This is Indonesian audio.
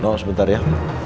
nong sebentar ya